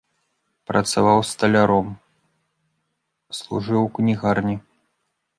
Працаваў сталяром, служыў у кнігарні.